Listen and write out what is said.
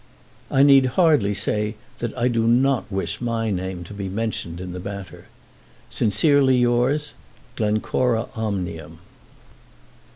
I need hardly say that I do not wish my name to be mentioned in the matter. Sincerely yours, GLENCORA OMNIUM.